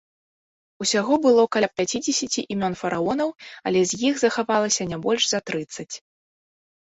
Усяго было каля пяцідзесяці імён фараонаў, але з іх захавалася не больш за трыццаць.